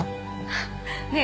あっねえ